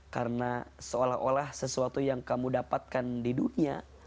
karena seolah olah sesuatu yang kamu dapatkan di dunia